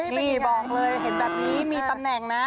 นี่บอกเลยเห็นแบบนี้มีตำแหน่งนะ